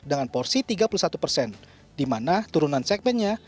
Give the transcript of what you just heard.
dengan porsi tiga puluh satu persen di mana turunan segmennya